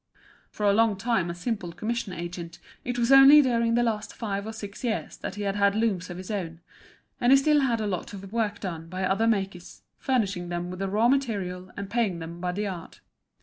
For a long time a simple commission agent, it was only during the last five or six years that he had had looms of his own, and he still had a lot of work done by other makers, furnishing them with the raw material and paying them by the yard.